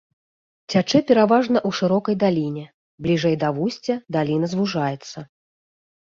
Цячэ пераважна ў шырокай даліне, бліжэй да вусця даліна звужаецца.